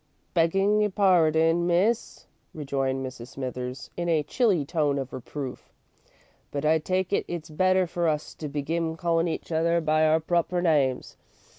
"Begging your parding, Miss," rejoined Mrs. Smithers in a chilly tone of reproof, "but I take it it's better for us to begin callin' each other by our proper names.